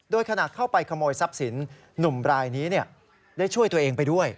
โดยขณะเข้าไปขโมยทรัพย์สินหนุ่มรายนี้ได้ช่วยตัวเองไปด้วย